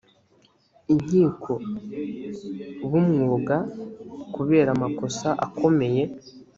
inkiko b umwuga kubera amakosa akomeye